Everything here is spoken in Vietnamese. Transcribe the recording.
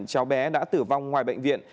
cháu bé đã tử vong ngoài bệnh viện